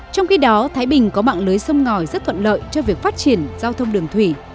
trong khi đó thái bình có mạng lưới sông ngòi rất thuận lợi cho việc phát triển giao thông đường thủy